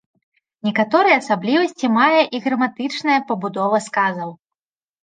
Некаторыя асаблівасці мае і граматычная пабудова сказаў.